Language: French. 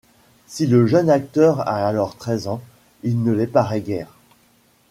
Si le jeune acteur a alors treize ans, il ne les paraît guère.